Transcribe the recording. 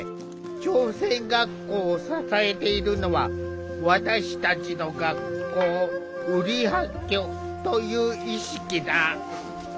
朝鮮学校を支えているのは「私たちの学校」「ウリハッキョ」という意識だ。